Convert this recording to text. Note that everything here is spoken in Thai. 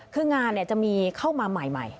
คืองานจะมีเข้ามาใหม่